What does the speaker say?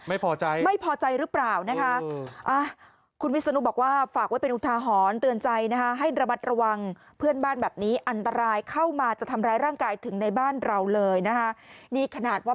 ไม่พอใจไม่พอใจหรือเปล่านะคะ